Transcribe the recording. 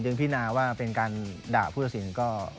จึงพิญาว่าเป็นการด่าผู้ศิลป์ก็